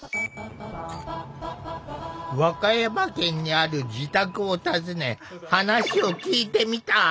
和歌山県にある自宅を訪ね話を聞いてみた。